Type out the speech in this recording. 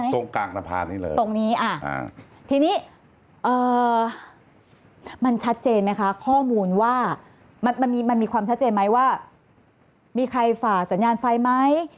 ตรงกลางสะพานนี้เลยตรงนี้ทีนี้มันชัดเจนไหมคะข้อมูลว่ามันมีความชัดเจนไหมว่ามีใครฝ่าสัญญาณไฟไหม